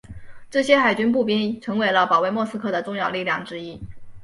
这些海军步兵成为了保卫莫斯科的重要力量之一。